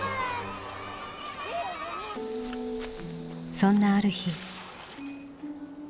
そんなある日。